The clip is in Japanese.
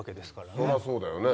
そりゃそうだよね